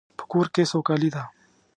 په کور کې سوکالی ده